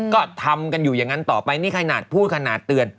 ก็ทำอย่างนั้นต่อไปนี่ใครน่าจะพูดใครน่าจะเตือน